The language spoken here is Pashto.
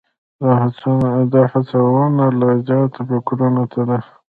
دا هڅونه لا زیاتو فکرونو ته ده.